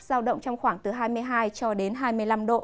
giao động trong khoảng từ hai mươi hai cho đến hai mươi năm độ